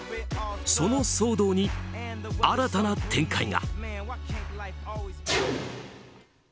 その騒動に新たな展開が。